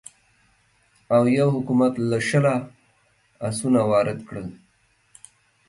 اویو حکومت له شله اسونه وارد کړل.